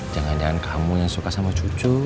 jangan jangan kamu yang suka sama cucu